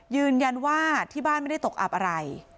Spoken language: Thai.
ยืนยันว่าที่บ้านไม่ได้ตกอับอะไร